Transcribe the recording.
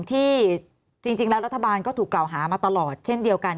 ที่จริงแล้วรัฐบาลก็ถูกกล่าวหามาตลอดเช่นเดียวกัน